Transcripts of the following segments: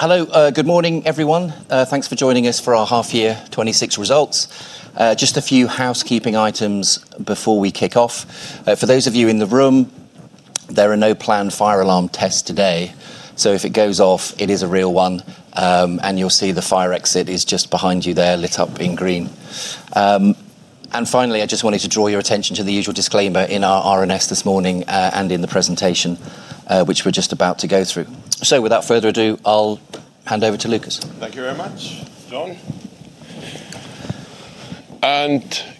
Hello. Good morning, everyone. Thanks for joining us for our Half Year 2026 Results. Just a few housekeeping items before we kick off. For those of you in the room, there are no planned fire alarm tests today, so if it goes off, it is a real one, and you'll see the fire exit is just behind you there lit up in green. Finally, I just wanted to draw your attention to the usual disclaimer in our RNS this morning, and in the presentation, which we're just about to go through. Without further ado, I'll hand over to Lukas. Thank you very much, John.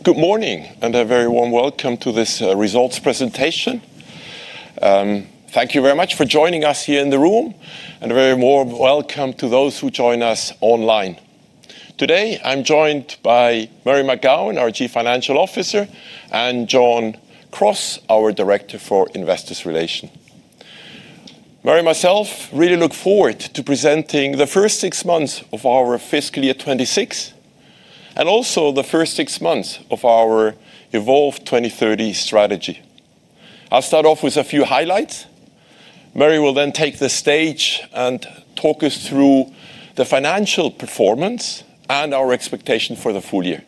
Good morning, and a very warm welcome to this results presentation. Thank you very much for joining us here in the room, and a very warm welcome to those who join us online. Today, I'm joined by Murray McGowan, our Chief Financial Officer, and John-Paul Cross, our Director for Investor Relations. Murray and myself really look forward to presenting the first six months of our fiscal year 2026, and also the first six months of our Evolve 2030 strategy. I'll start off with a few highlights. Murray will take the stage and talk us through the financial performance and our expectation for the full year.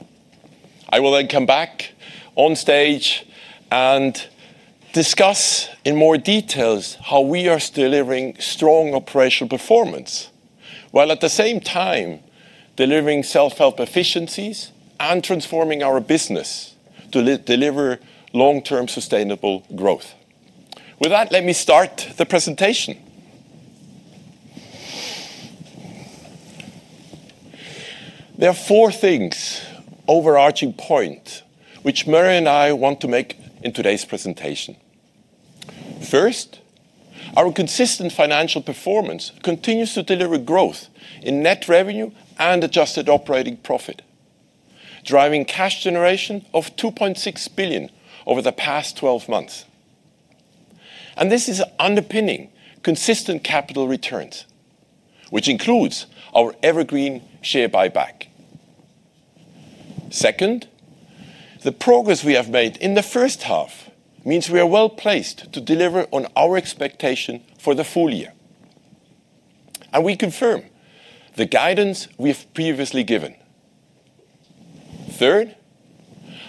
I will come back on stage and discuss in more details how we are delivering strong operational performance, while at the same time delivering self-help efficiencies and transforming our business to deliver long-term sustainable growth. With that, let me start the presentation. There are four things, overarching point, which Murray and I want to make in today's presentation. First, our consistent financial performance continues to deliver growth in net revenue and adjusted operating profit, driving cash generation of 2.6 billion over the past 12 months, and this is underpinning consistent capital returns, which includes our evergreen share buyback. Second, the progress we have made in the first half means we are well-placed to deliver on our expectation for the full year, and we confirm the guidance we've previously given. Third,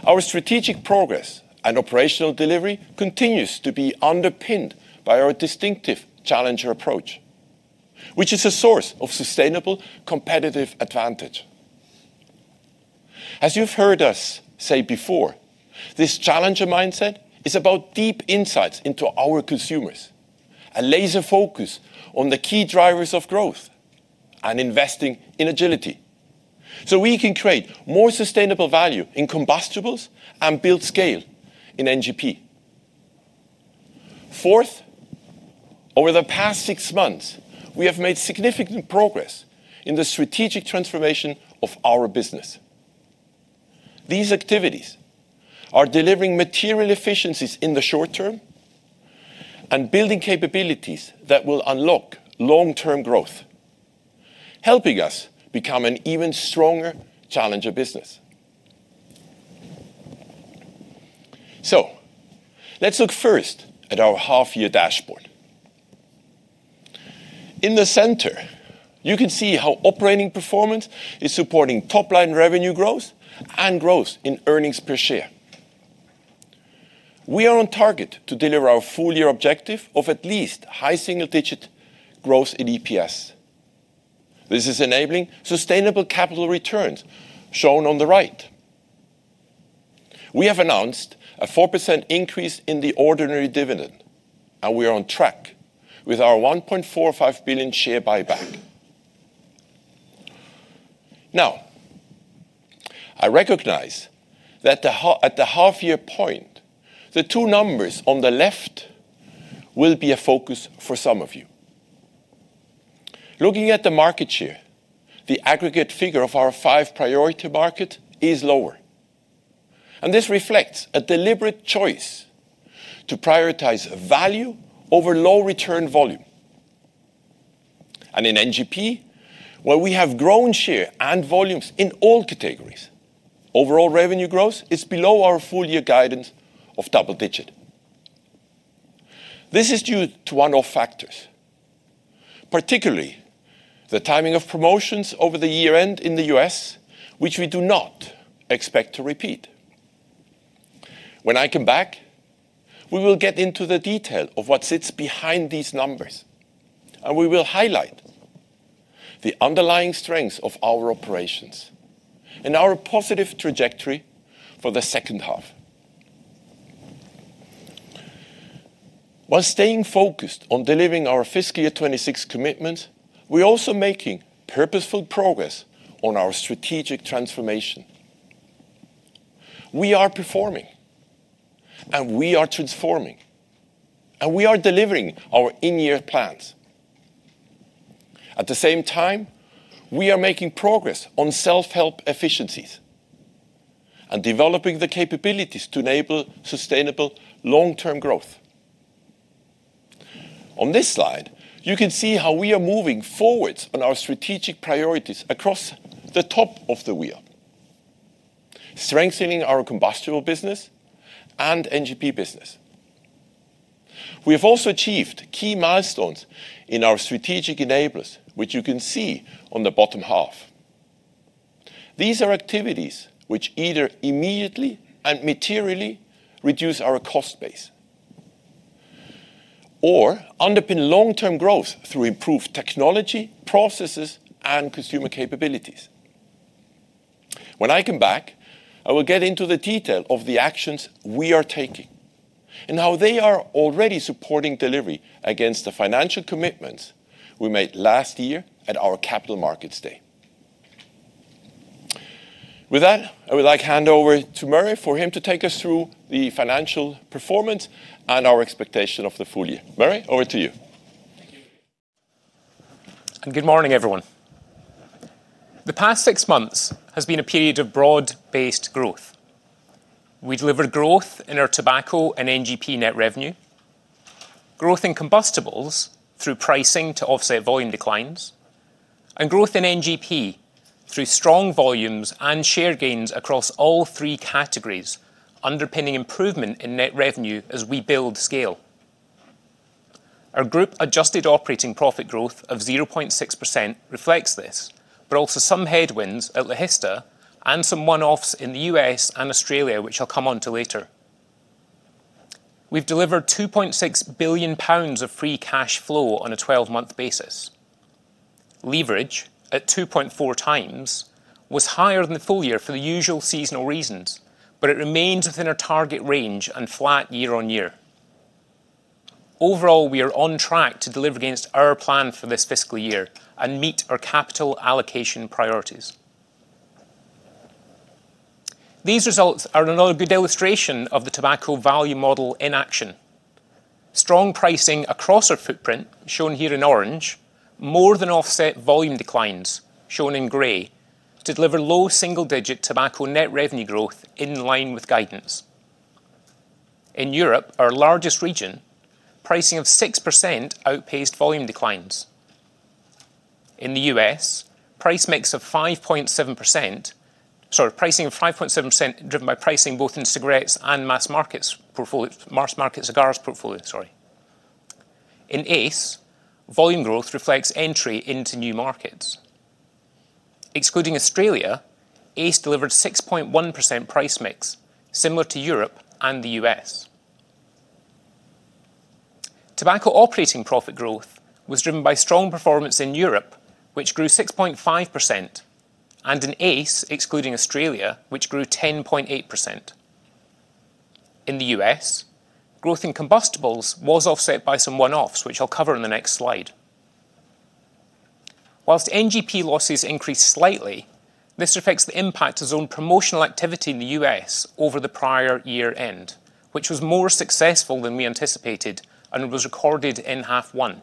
our strategic progress and operational delivery continues to be underpinned by our distinctive challenger approach, which is a source of sustainable competitive advantage. As you've heard us say before, this challenger mindset is about deep insights into our consumers, a laser focus on the key drivers of growth, and investing in agility so we can create more sustainable value in combustibles and build scale in NGP. Over the past six months, we have made significant progress in the strategic transformation of our business. These activities are delivering material efficiencies in the short term and building capabilities that will unlock long-term growth, helping us become an even stronger challenger business. Let's look first at our half-year dashboard. In the center, you can see how operating performance is supporting top-line revenue growth and growth in earnings per share. We are on target to deliver our full-year objective of at least high single-digit growth in EPS. This is enabling sustainable capital returns, shown on the right. We have announced a 4% increase in the ordinary dividend. We are on track with our 1.45 billion share buyback. I recognize that at the half-year point, the two numbers on the left will be a focus for some of you. Looking at the market share, the aggregate figure of our five priority market is lower, and this reflects a deliberate choice to prioritize value over low return volume. In NGP, while we have grown share and volumes in all categories, overall revenue growth is below our full-year guidance of double-digit. This is due to one-off factors, particularly the timing of promotions over the year-end in the U.S., which we do not expect to repeat. When I come back, we will get into the detail of what sits behind these numbers, we will highlight the underlying strengths of our operations and our positive trajectory for the second half. While staying focused on delivering our fiscal year 2026 commitment, we're also making purposeful progress on our strategic transformation. We are performing, we are transforming, we are delivering our in-year plans. At the same time, we are making progress on self-help efficiencies and developing the capabilities to enable sustainable long-term growth. On this slide, you can see how we are moving forward on our strategic priorities across the top of the wheel. Strengthening our combustible business and NGP business. We have also achieved key milestones in our strategic enablers, which you can see on the bottom half. These are activities which either immediately and materially reduce our cost base or underpin long-term growth through improved technology, processes, and consumer capabilities. When I come back, I will get into the detail of the actions we are taking and how they are already supporting delivery against the financial commitments we made last year at our Capital Markets Day. With that, I would like to hand over to Murray for him to take us through the financial performance and our expectation of the full year. Murray, over to you. Thank you. Good morning, everyone. The past six months has been a period of broad-based growth. We delivered growth in our tobacco and NGP net revenue, growth in combustibles through pricing to offset volume declines, and growth in NGP through strong volumes and share gains across all three categories, underpinning improvement in net revenue as we build scale. Our group adjusted operating profit growth of 0.6% reflects this, but also some headwinds at Logista and some one-offs in the U.S. and Australia, which I'll come onto later. We've delivered 2.6 billion pounds of free cash flow on a 12-month basis. Leverage at 2.4x was higher than the full year for the usual seasonal reasons, but it remains within our target range and flat year-over-year. Overall, we are on track to deliver against our plan for this fiscal year and meet our capital allocation priorities. These results are another good illustration of the tobacco value model in action. Strong pricing across our footprint, shown here in orange, more than offset volume declines, shown in gray, to deliver low single-digit tobacco net revenue growth in line with guidance. In Europe, our largest region, pricing of 6% outpaced volume declines. In the U.S., pricing of 5.7%, driven by pricing both in cigarettes and mass market cigars portfolio. Sorry. In ACE, volume growth reflects entry into new markets. Excluding Australia, ACE delivered 6.1% price mix, similar to Europe and the U.S. Tobacco operating profit growth was driven by strong performance in Europe, which grew 6.5%, and in ACE, excluding Australia, which grew 10.8%. In the U.S., growth in combustibles was offset by some one-offs, which I'll cover in the next slide. Whilst NGP losses increased slightly, this reflects the impact of its own promotional activity in the U.S. over the prior year end, which was more successful than we anticipated and was recorded in half one.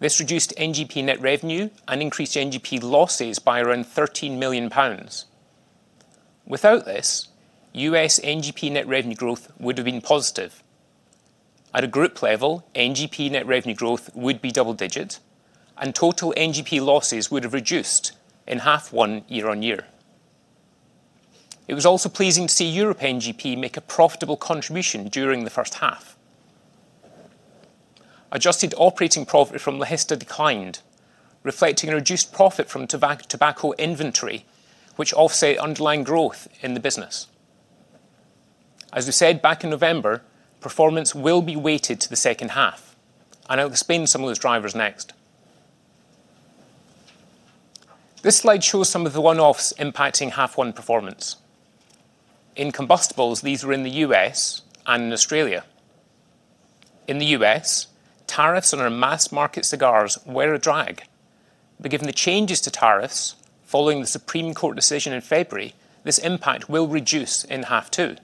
This reduced NGP net revenue and increased NGP losses by around 13 million pounds. Without this, U.S. NGP net revenue growth would have been positive. At a group level, NGP net revenue growth would be double-digit, and total NGP losses would have reduced in half one year-on-year. It was also pleasing to see Europe NGP make a profitable contribution during the first half. Adjusted operating profit from Logista declined, reflecting a reduced profit from tobacco inventory, which offset underlying growth in the business. As we said back in November, performance will be weighted to the second half, and I'll explain some of those drivers next. This slide shows some of the one-offs impacting half one performance. In combustibles, these were in the U.S. and in Australia. In the U.S., tariffs on our mass market cigars were a drag. Given the changes to tariffs following the Supreme Court decision in February, this impact will reduce in half two.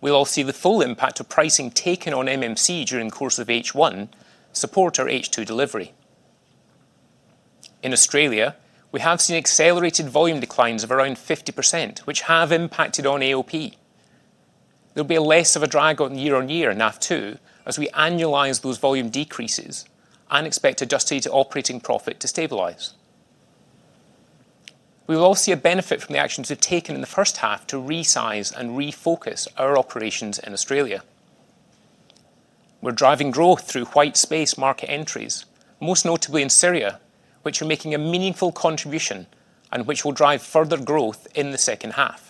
We'll all see the full impact of pricing taken on MMC during the course of H1 support our H2 delivery. In Australia, we have seen accelerated volume declines of around 50%, which have impacted on AOP. There'll be less of a drag on year-over-year in H2 as we annualize those volume decreases and expect adjusted operating profit to stabilize. We will all see a benefit from the actions we've taken in H1 to resize and refocus our operations in Australia. We're driving growth through white space market entries, most notably in Syria, which are making a meaningful contribution and which will drive further growth in H2.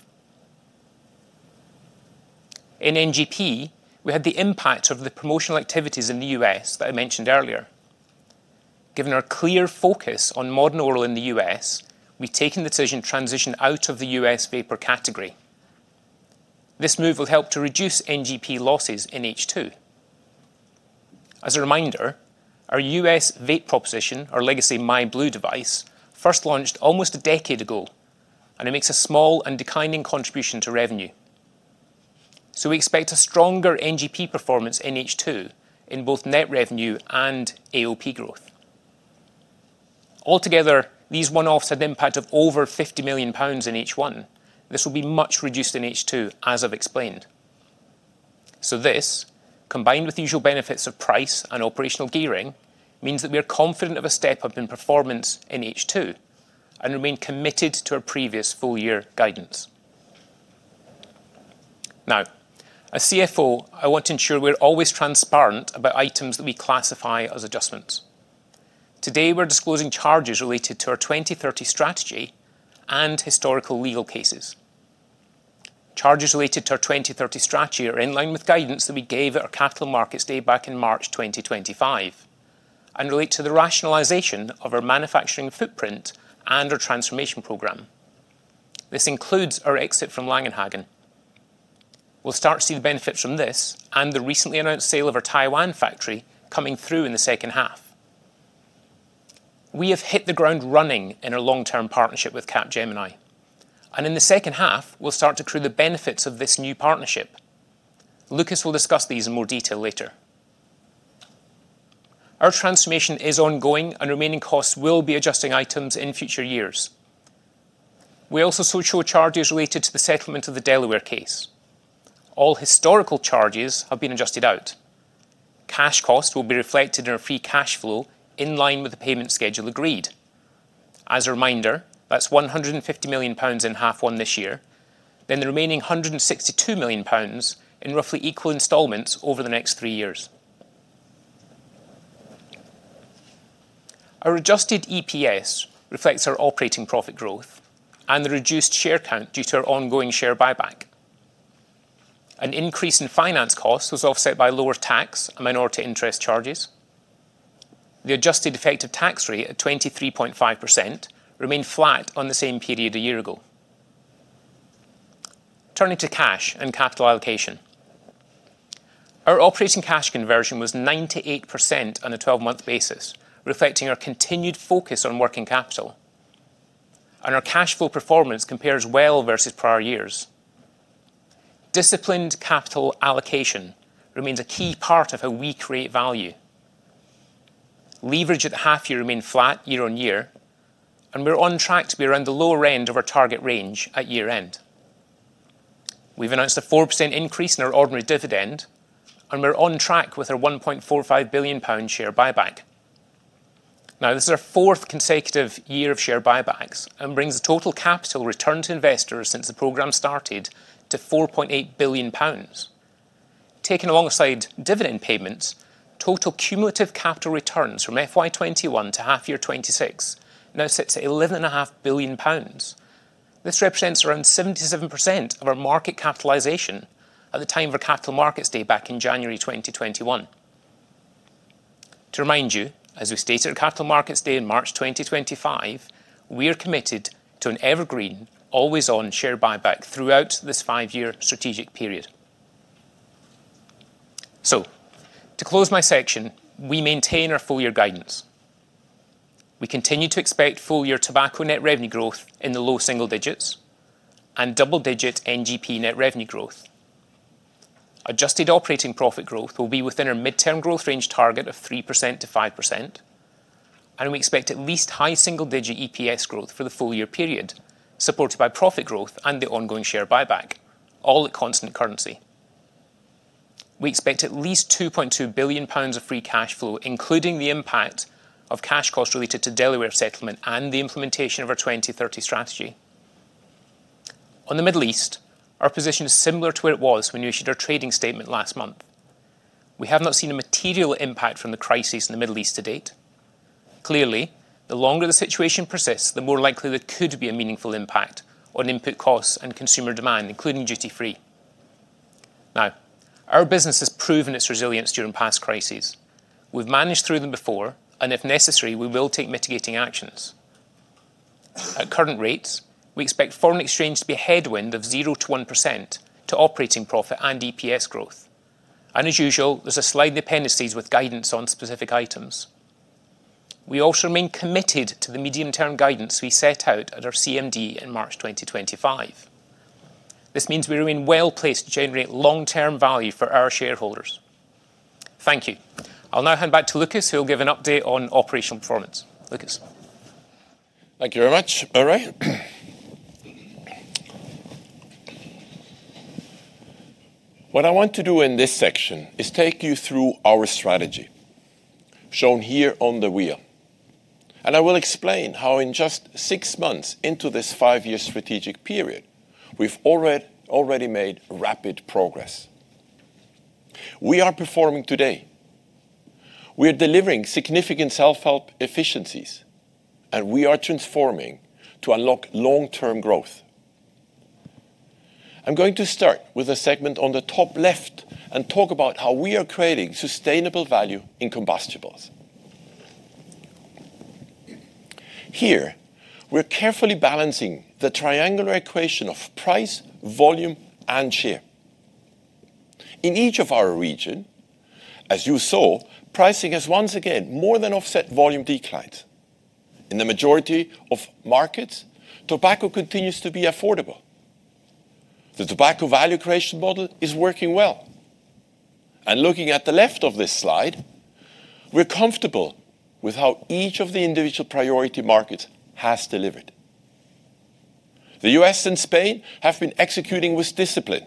In NGP, we had the impact of the promotional activities in the U.S. that I mentioned earlier. Given our clear focus on modern oral in the U.S., we've taken the decision to transition out of the U.S. vapor category. This move will help to reduce NGP losses in H2. As a reminder, our U.S. vape proposition, our legacy myblu device, first launched almost a decade ago. It makes a small and declining contribution to revenue. We expect a stronger NGP performance in H2 in both net revenue and AOP growth. Altogether, these one-offs had an impact of over 50 million pounds in H1. This will be much reduced in H2, as I've explained. This, combined with usual benefits of price and operational gearing, means that we are confident of a step-up in performance in H2 and remain committed to our previous full year guidance. Now, as CFO, I want to ensure we're always transparent about items that we classify as adjustments. Today, we're disclosing charges related to our 2030 strategy and historical legal cases. Charges related to our 2030 strategy are in line with guidance that we gave at our Capital Markets Day back in March 2025, and relate to the rationalization of our manufacturing footprint and our transformation program. This includes our exit from Langenhagen. We'll start to see the benefits from this and the recently announced sale of our Taiwan factory coming through in the second half. We have hit the ground running in our long-term partnership with Capgemini, and in the second half, we'll start to accrue the benefits of this new partnership. Lukas will discuss these in more detail later. Our transformation is ongoing, and remaining costs will be adjusting items in future years. We also still show charges related to the settlement of the Delaware case. All historical charges have been adjusted out. Cash costs will be reflected in our free cash flow in line with the payment schedule agreed. As a reminder, that's 150 million pounds in half one this year, then the remaining 162 million pounds in roughly equal installments over the next three years. Our adjusted EPS reflects our operating profit growth and the reduced share count due to our ongoing share buyback. Increase in finance costs was offset by lower tax and minority interest charges. The adjusted effective tax rate at 23.5% remained flat on the same period a year ago. Turning to cash and capital allocation. Our operating cash conversion was 98% on a 12-month basis, reflecting our continued focus on working capital. Our cash flow performance compares well versus prior years. Disciplined capital allocation remains a key part of how we create value. Leverage at the half-year remained flat year-on-year, and we're on track to be around the lower end of our target range at year end. We've announced a 4% increase in our ordinary dividend, and we're on track with our 1.45 billion pound share buyback. Now, this is our fourth consecutive year of share buybacks and brings the total capital returned to investors since the program started to 4.8 billion pounds. Taken alongside dividend payments, total cumulative capital returns from FY 2021 to half-year 2026 now sits at eleven and a half billion pounds. This represents around 77% of our market capitalization at the time of our Capital Markets Day back in January 2021. To remind you, as we stated at Capital Markets Day in March 2025, we are committed to an evergreen, always-on share buyback throughout this five-year strategic period. To close my section, we maintain our full year guidance. We continue to expect full year tobacco net revenue growth in the low single digits and double-digit NGP net revenue growth. Adjusted operating profit growth will be within our midterm growth range target of 3% to 5%, and we expect at least high single-digit EPS growth for the full year period, supported by profit growth and the ongoing share buyback, all at constant currency. We expect at least 2.2 billion pounds of free cash flow, including the impact of cash costs related to Delaware settlement and the implementation of our 2030 strategy. On the Middle East, our position is similar to where it was when we issued our trading statement last month. We have not seen a material impact from the crisis in the Middle East to date. Clearly, the longer the situation persists, the more likely there could be a meaningful impact on input costs and consumer demand, including duty-free. Now, our business has proven its resilience during past crises. We've managed through them before, and if necessary, we will take mitigating actions. At current rates, we expect foreign exchange to be a headwind of 0% to 1% to operating profit and EPS growth. As usual, there's a slide in the appendices with guidance on specific items. We also remain committed to the medium-term guidance we set out at our CMD in March 2025. This means we remain well-placed to generate long-term value for our shareholders. Thank you. I'll now hand back to Lukas, who will give an update on operational performance. Lukas. Thank you very much, Murray. What I want to do in this section is take you through our strategy, shown here on the wheel. I will explain how in just six months into this five-year strategic period, we've already made rapid progress. We are performing today. We are delivering significant self-help efficiencies, and we are transforming to unlock long-term growth. I'm going to start with the segment on the top left and talk about how we are creating sustainable value in combustibles. Here, we're carefully balancing the triangular equation of price, volume, and share. In each of our region, as you saw, pricing has once again more than offset volume declines. In the majority of markets, tobacco continues to be affordable. The tobacco value creation model is working well. Looking at the left of this slide, we're comfortable with how each of the individual priority markets has delivered. The U.S. and Spain have been executing with discipline,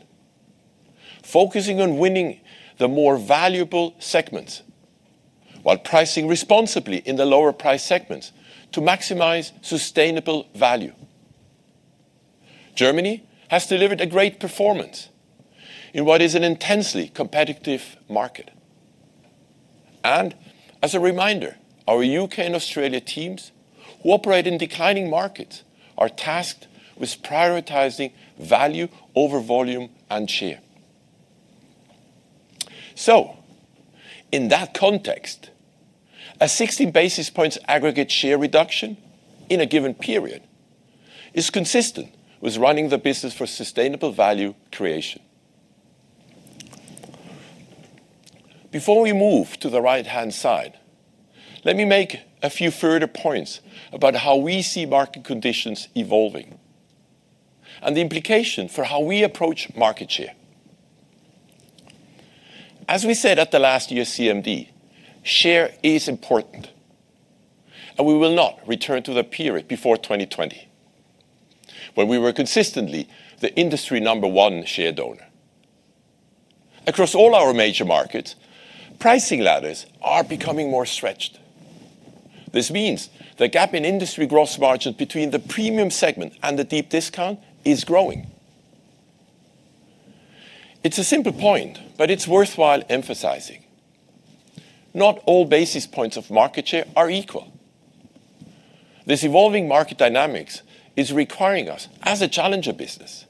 focusing on winning the more valuable segments, while pricing responsibly in the lower price segments to maximize sustainable value. Germany has delivered a great performance in what is an intensely competitive market. As a reminder, our U.K. and Australia teams, who operate in declining markets, are tasked with prioritizing value over volume and share. In that context, a 60 basis points aggregate share reduction in a given period is consistent with running the business for sustainable value creation. Before we move to the right-hand side, let me make a few further points about how we see market conditions evolving and the implication for how we approach market share. As we said at the last year's CMD, share is important, and we will not return to the period before 2020, when we were consistently the industry number one share donor. Across all our major markets, pricing ladders are becoming more stretched. This means the gap in industry gross margin between the premium segment and the deep discount is growing. It's a simple point, but it's worthwhile emphasizing. Not all basis points of market share are equal. This evolving market dynamics is requiring us, as a challenger business,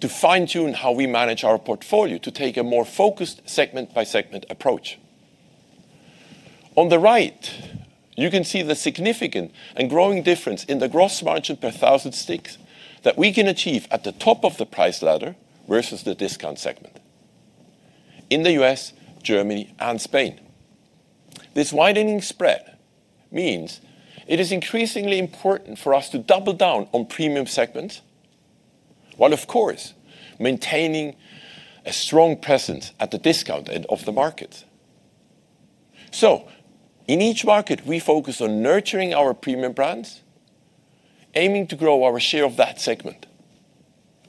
to fine-tune how we manage our portfolio to take a more focused segment-by-segment approach. On the right, you can see the significant and growing difference in the gross margin per 1,000 sticks that we can achieve at the top of the price ladder versus the discount segment in the U.S., Germany, and Spain. This widening spread means it is increasingly important for us to double down on premium segments while, of course, maintaining a strong presence at the discount end of the market. In each market, we focus on nurturing our premium brands, aiming to grow our share of that segment.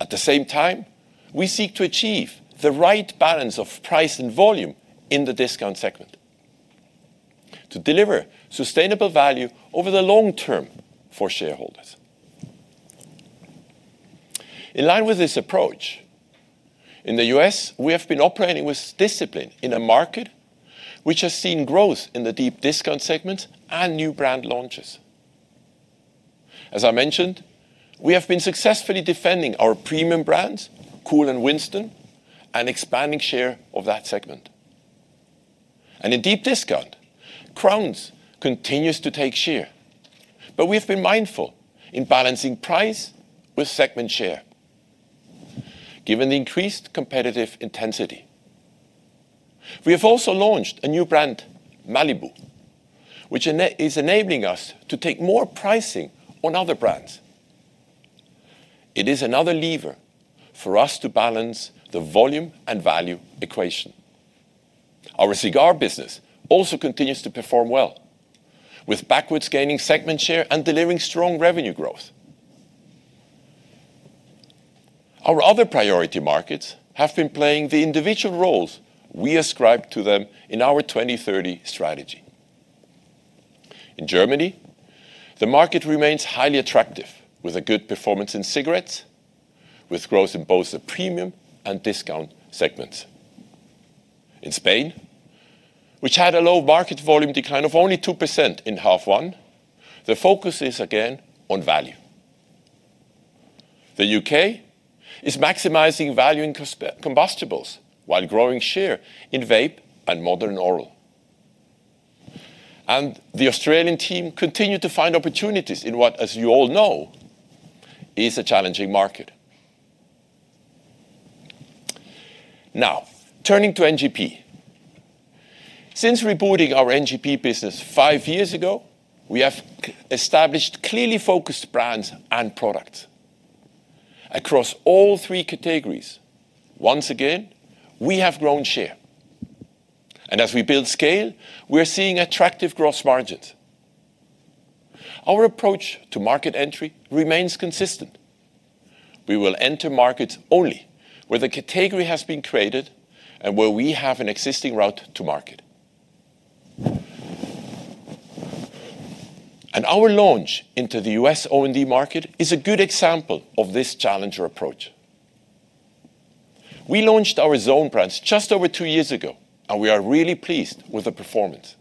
At the same time, we seek to achieve the right balance of price and volume in the discount segment to deliver sustainable value over the long term for shareholders. In line with this approach, in the U.S., we have been operating with discipline in a market which has seen growth in the deep discount segment and new brand launches. As I mentioned, we have been successfully defending our premium brands, KOOL and Winston, and expanding share of that segment. In deep discount, Crowns continues to take share, but we have been mindful in balancing price with segment share, given the increased competitive intensity. We have also launched a new brand, Malibu, which is enabling us to take more pricing on other brands. It is another lever for us to balance the volume and value equation. Our cigar business also continues to perform well, with Backwoods gaining segment share and delivering strong revenue growth. Our other priority markets have been playing the individual roles we ascribed to them in our Evolve 2030 strategy. In Germany, the market remains highly attractive, with a good performance in cigarettes, with growth in both the premium and discount segments. In Spain, which had a low market volume decline of only 2% in half one, the focus is again on value. The U.K. is maximizing value in combustibles while growing share in vape and modern oral. The Australian team continue to find opportunities in what, as you all know, is a challenging market. Turning to NGP. Since rebooting our NGP business five years ago, we have established clearly focused brands and products. Across all three categories, once again, we have grown share. As we build scale, we are seeing attractive gross margins. Our approach to market entry remains consistent. We will enter markets only where the category has been created and where we have an existing route to market. Our launch into the U.S. OND market is a good example of this challenger approach. We launched our Zone brands just over two years ago, and we are really pleased with the performance.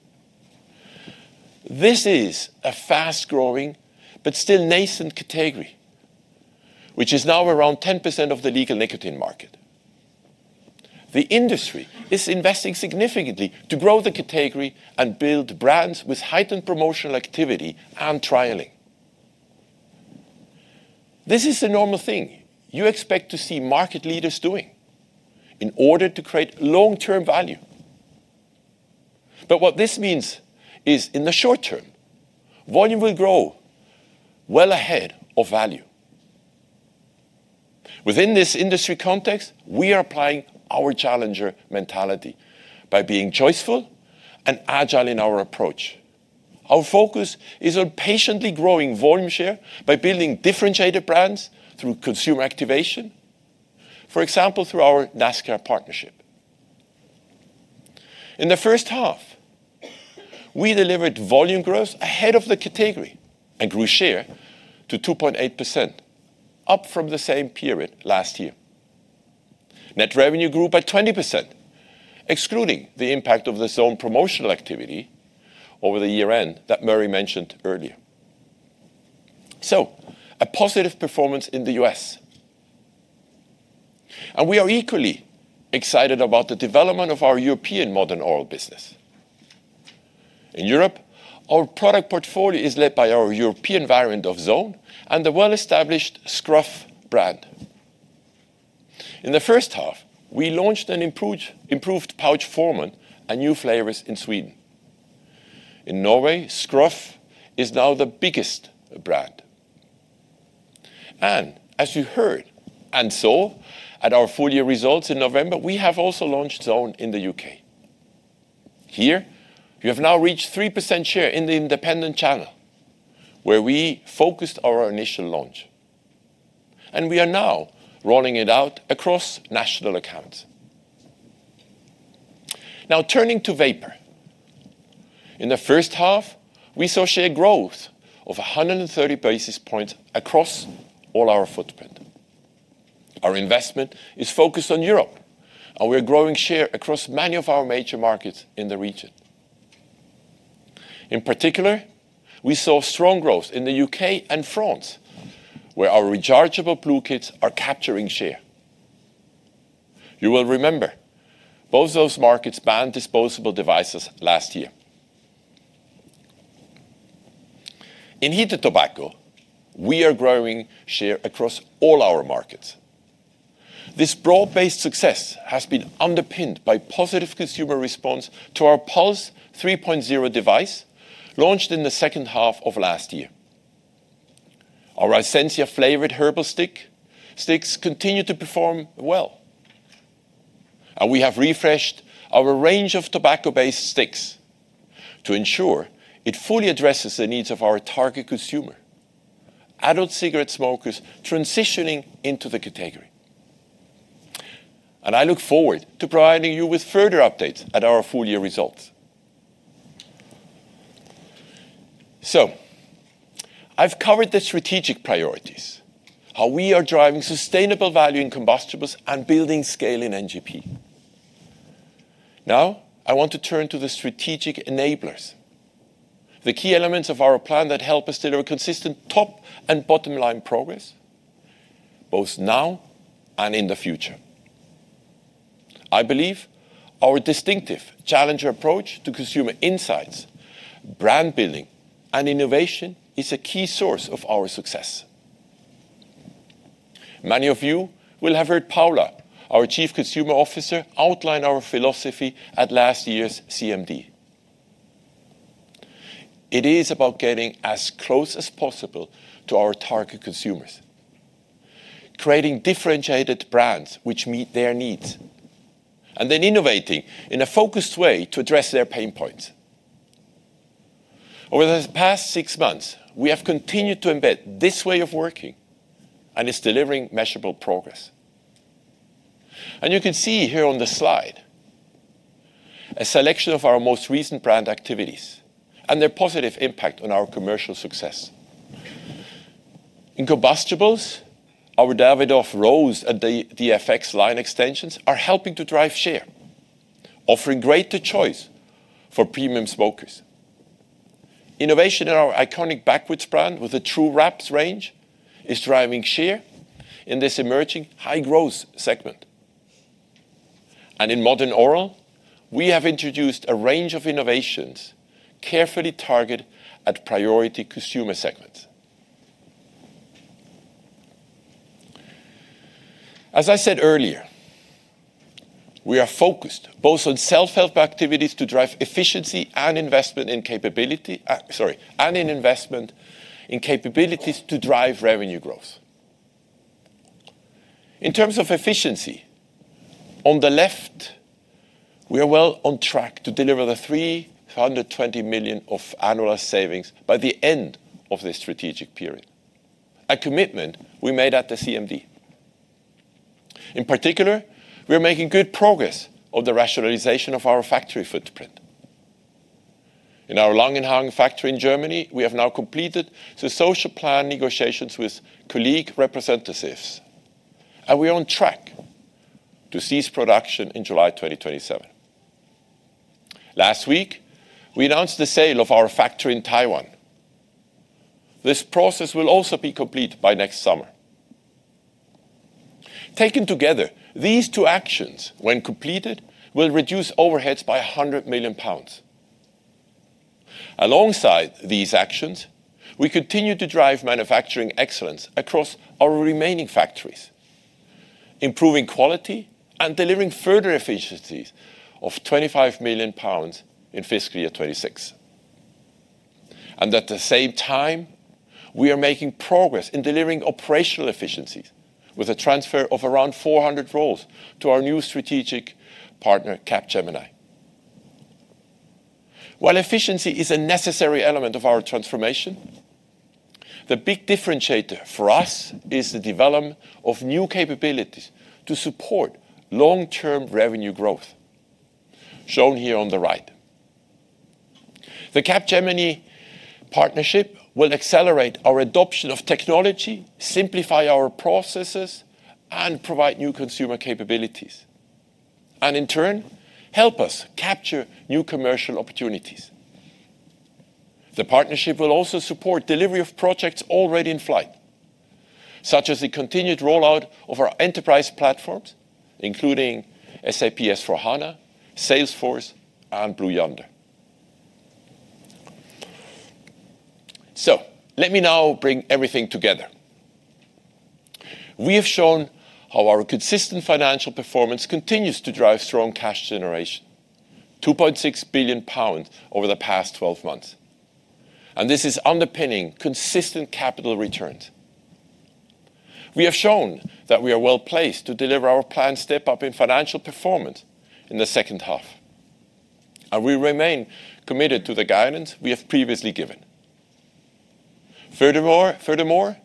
This is a fast-growing but still nascent category, which is now around 10% of the legal nicotine market. The industry is investing significantly to grow the category and build brands with heightened promotional activity and trialing. This is the normal thing you expect to see market leaders doing in order to create long-term value. What this means is, in the short term, volume will grow well ahead of value. Within this industry context, we are applying our challenger mentality by being choiceful and agile in our approach. Our focus is on patiently growing volume share by building differentiated brands through consumer activation. For example, through our NASCAR partnership. In the first half, we delivered volume growth ahead of the category and grew share to 2.8%, up from the same period last year. Net revenue grew by 20%, excluding the impact of the Zone promotional activity over the year-end that Murray mentioned earlier. A positive performance in the U.S. We are equally excited about the development of our European modern oral business. In Europe, our product portfolio is led by our European variant of Zone and the well-established Skruf brand. In the first half, we launched an improved pouch format and new flavors in Sweden. In Norway, Skruf is now the biggest brand. As you heard and saw at our full year results in November, we have also launched Zone in the U.K. Here, we have now reached 3% share in the independent channel, where we focused our initial launch, and we are now rolling it out across national accounts. Now turning to vapor. In the first half, we saw share growth of 130 basis points across all our footprint. Our investment is focused on Europe, we are growing share across many of our major markets in the region. In particular, we saw strong growth in the U.K. and France, where our rechargeable blu kits are capturing share. You will remember both those markets banned disposable devices last year. In heated tobacco, we are growing share across all our markets. This broad-based success has been underpinned by positive consumer response to our Pulze 3.0 device launched in the second half of last year. Our iSENZIA flavored herbal sticks continue to perform well, and we have refreshed our range of tobacco-based sticks to ensure it fully addresses the needs of our target consumer, adult cigarette smokers transitioning into the category. I look forward to providing you with further updates at our full year results. I've covered the strategic priorities, how we are driving sustainable value in combustibles and building scale in NGP. Now I want to turn to the strategic enablers, the key elements of our plan that help us deliver consistent top and bottom-line progress, both now and in the future. I believe our distinctive challenger approach to consumer insights, brand building, and innovation is a key source of our success. Many of you will have heard Paula, our Chief Consumer Officer, outline our philosophy at last year's CMD. It is about getting as close as possible to our target consumers, creating differentiated brands which meet their needs, then innovating in a focused way to address their pain points. Over the past six months, we have continued to embed this way of working, and it's delivering measurable progress. You can see here on the slide a selection of our most recent brand activities and their positive impact on our commercial success. In combustibles, our Davidoff Rolls and the DFX line extensions are helping to drive share, offering greater choice for premium smokers. Innovation in our iconic Backwoods brand with the True Wraps range is driving share in this emerging high-growth segment. In modern oral, we have introduced a range of innovations carefully targeted at priority consumer segments. As I said earlier, we are focused both on self-help activities to drive efficiency and investment in capabilities to drive revenue growth. In terms of efficiency, on the left, we are well on track to deliver the 320 million of annual savings by the end of this strategic period, a commitment we made at the CMD. In particular, we are making good progress on the rationalization of our factory footprint. In our Langenhagen factory in Germany, we have now completed the social plan negotiations with colleague representatives, and we are on track to cease production in July 2027. Last week, we announced the sale of our factory in Taiwan. This process will also be complete by next summer. Taken together, these two actions, when completed, will reduce overheads by 100 million pounds. Alongside these actions, we continue to drive manufacturing excellence across our remaining factories, improving quality and delivering further efficiencies of 25 million pounds in fiscal year 2026. At the same time, we are making progress in delivering operational efficiencies, with a transfer of around 400 roles to our new strategic partner, Capgemini. While efficiency is a necessary element of our transformation, the big differentiator for us is the development of new capabilities to support long-term revenue growth, shown here on the right. The Capgemini partnership will accelerate our adoption of technology, simplify our processes, and provide new consumer capabilities, in turn, help us capture new commercial opportunities. The partnership will also support delivery of projects already in flight, such as the continued rollout of our enterprise platforms, including SAP S/4HANA, Salesforce, and Blue Yonder. Let me now bring everything together. We have shown how our consistent financial performance continues to drive strong cash generation, 2.6 billion pounds over the past 12 months, and this is underpinning consistent capital returns. We have shown that we are well-placed to deliver our planned step-up in financial performance in the second half, and we remain committed to the guidance we have previously given. Furthermore,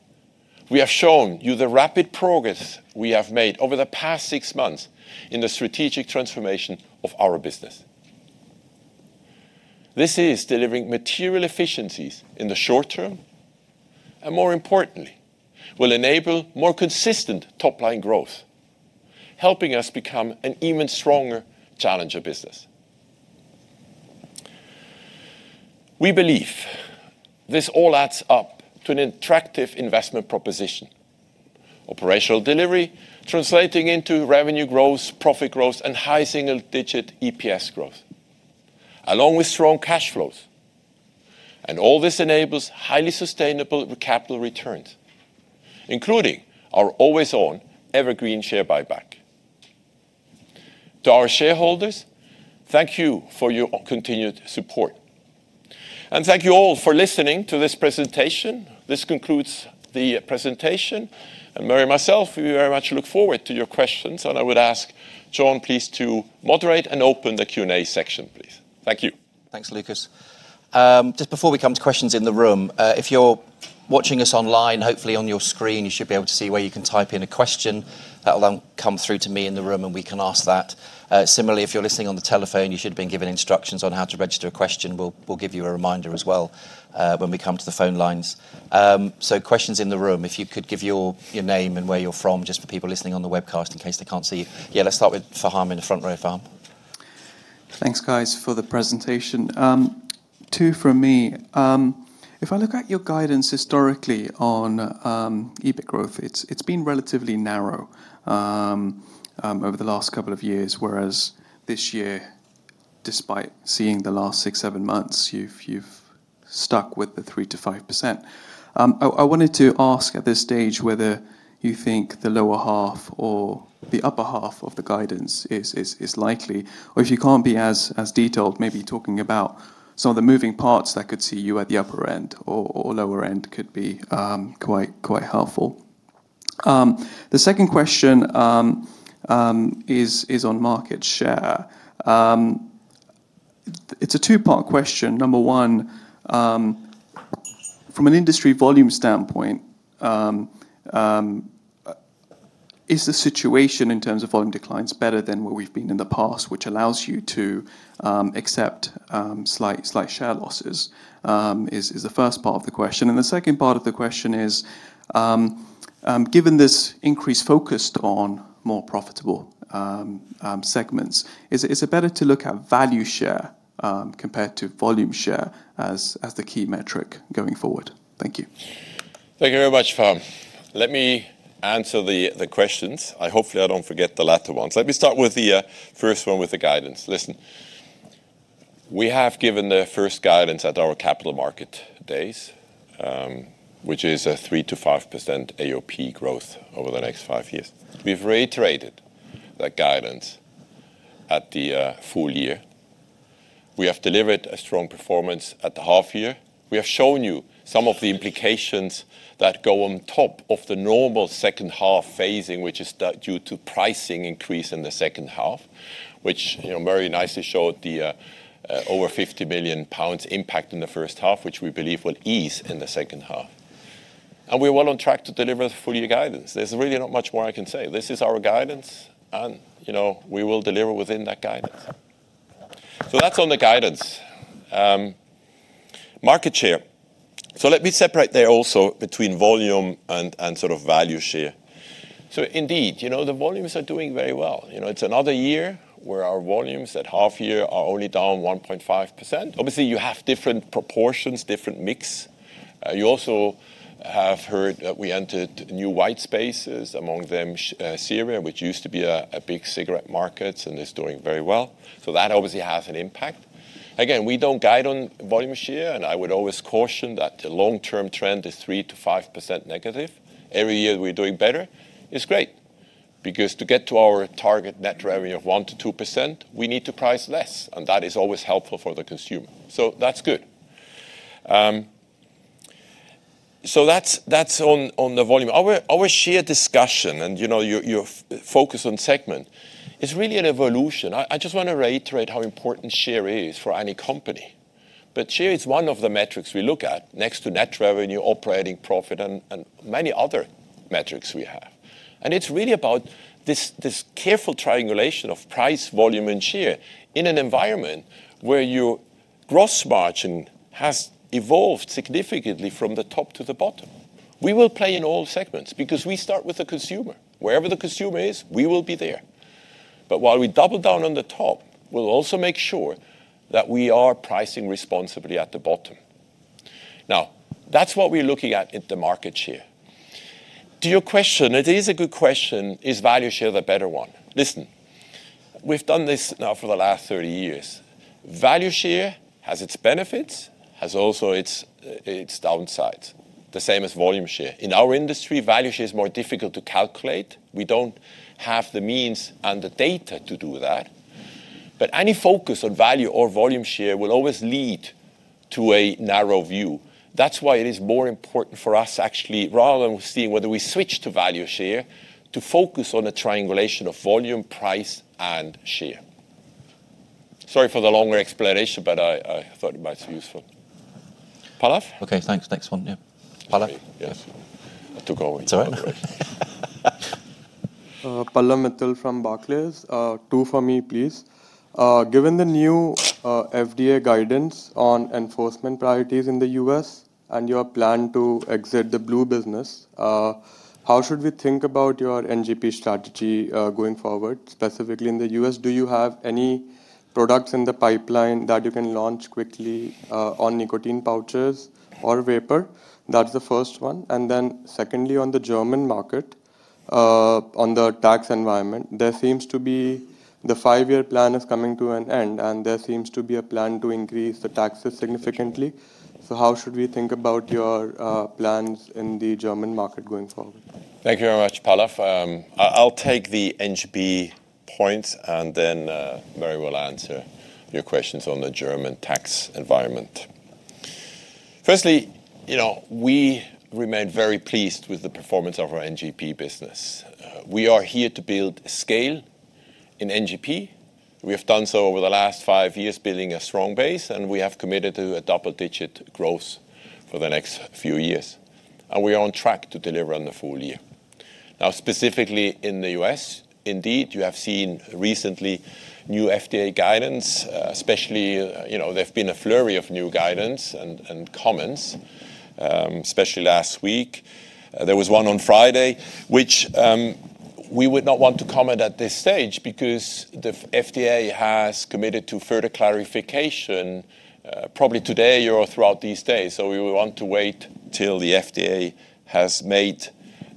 we have shown you the rapid progress we have made over the past six months in the strategic transformation of our business. This is delivering material efficiencies in the short term and, more importantly, will enable more consistent top-line growth, helping us become an even stronger challenger business. We believe this all adds up to an attractive investment proposition. Operational delivery translating into revenue growth, profit growth, and high single-digit EPS growth, along with strong cash flows. All this enables highly sustainable capital returns, including our always-on evergreen share buyback. To our shareholders, thank you for your continued support. Thank you all for listening to this presentation. This concludes the presentation, Murray and myself, we very much look forward to your questions, and I would ask John please to moderate and open the Q&A section, please. Thank you. Thanks, Lukas. Just before we come to questions in the room, if you're watching us online, hopefully on your screen you should be able to see where you can type in a question. That'll then come through to me in the room, and we can ask that. Similarly, if you're listening on the telephone, you should have been given instructions on how to register a question. We'll give you a reminder as well when we come to the phone lines. Questions in the room, if you could give your name and where you're from, just for people listening on the webcast in case they can't see you. Yeah, let's start with Faham in the front row. Faham? Thanks, guys, for the presentation. Two from me. If I look at your guidance historically on EBIT growth, it's been relatively narrow over the last couple of years, whereas this year, despite seeing the last six, seven months, you've stuck with the 3%-5%. I wanted to ask at this stage whether you think the lower half or the upper half of the guidance is likely, or if you can't be as detailed, maybe talking about some of the moving parts that could see you at the upper end or lower end could be quite helpful. The second question is on market share. It's a two-part question. Number one, from an industry volume standpoint, is the situation in terms of volume declines better than where we've been in the past, which allows you to accept slight share losses, is the first part of the question. The second part of the question is, given this increased focus on more profitable segments, is it better to look at value share compared to volume share as the key metric going forward? Thank you. Thank you very much, Faham. Let me answer the questions, and hopefully I don't forget the latter ones. Let me start with the first one with the guidance. Listen, we have given the first guidance at our Capital Markets Day, which is a 3%-5% AOP growth over the next five years. We've reiterated that guidance at the full year. We have delivered a strong performance at the half year. We have shown you some of the implications that go on top of the normal second half phasing, which is due to pricing increase in the second half, which, you know, very nicely showed the over 50 million pounds impact in the first half, which we believe will ease in the second half. We're well on track to deliver the full year guidance. There's really not much more I can say. This is our guidance, you know, we will deliver within that guidance. That's on the guidance. Market share. Let me separate there also between volume and sort of value share. Indeed, you know, the volumes are doing very well. You know, it's another year where our volumes at half year are only down 1.5%. Obviously, you have different proportions, different mix. You also have heard that we entered new white spaces, among them, Syria, which used to be a big cigarette market and is doing very well. That obviously has an impact. Again, we don't guide on volume share, I would always caution that the long-term trend is 3%-5% negative. Every year we're doing better is great. To get to our target net revenue of 1%-2%, we need to price less, and that is always helpful for the consumer. That's good. That's on the volume. Our share discussion and, you know, your focus on segment is really an evolution. I just wanna reiterate how important share is for any company. Share is one of the metrics we look at next to net revenue, operating profit, and many other metrics we have, and it's really about this careful triangulation of price, volume, and share in an environment where your gross margin has evolved significantly from the top to the bottom. We will play in all segments because we start with the consumer. Wherever the consumer is, we will be there. While we double down on the top, we'll also make sure that we are pricing responsibly at the bottom. That's what we're looking at at the market share. To your question, it is a good question, is value share the better one? Listen, we've done this now for the last 30 years. Value share has its benefits, has also its downsides, the same as volume share. In our industry, value share is more difficult to calculate. We don't have the means and the data to do that. Any focus on value or volume share will always lead to a narrow view. That's why it is more important for us, actually, rather than seeing whether we switch to value share, to focus on the triangulation of volume, price, and share. Sorry for the longer explanation, I thought it might be useful. Pallav? Okay, thanks. Next one. Yeah. Pallav? Yes. I took over. It's all right. Pallav Mittal from Barclays, two for me, please. Given the new FDA guidance on enforcement priorities in the US and your plan to exit the myblu business, how should we think about your NGP strategy going forward? Specifically in the US, do you have any products in the pipeline that you can launch quickly on nicotine pouches or vapor? That's the first one. Secondly, on the German market, on the tax environment, there seems to be the five-year plan is coming to an end, and there seems to be a plan to increase the taxes significantly. How should we think about your plans in the German market going forward? Thank you very much, Pallav. I'll take the NGP point and then Murray will answer your questions on the German tax environment. Firstly, you know, we remain very pleased with the performance of our NGP business. We are here to build scale in NGP. We have done so over the last five years, building a strong base, and we have committed to a double-digit growth for the next few years, and we are on track to deliver on the full year. Now, specifically in the U.S., indeed, you have seen recently new FDA guidance, especially, you know, there've been a flurry of new guidance and comments, especially last week. There was one on Friday, which we would not want to comment at this stage because the FDA has committed to further clarification, probably today or throughout these days. We want to wait till the FDA has made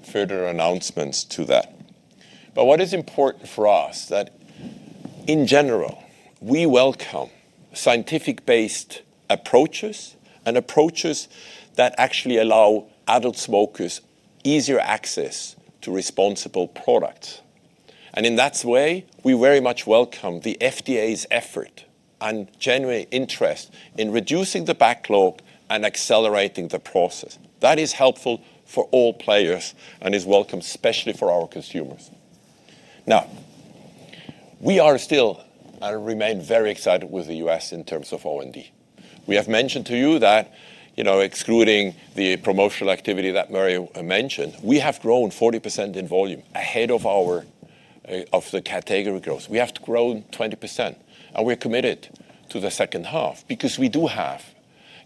further announcements to that. What is important for us that, in general, we welcome scientific-based approaches and approaches that actually allow adult smokers easier access to responsible products. In that way, we very much welcome the FDA's effort and genuine interest in reducing the backlog and accelerating the process. That is helpful for all players and is welcome, especially for our consumers. We are still and remain very excited with the U.S. in terms of NGP. We have mentioned to you that, you know, excluding the promotional activity that Murray mentioned, we have grown 40% in volume ahead of our of the category growth. We have grown 20%, and we're committed to the second half because we do have